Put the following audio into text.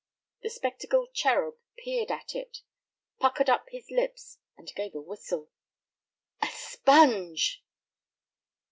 The spectacled cherub peered at it, puckered up his lips and gave a whistle. "A sponge!"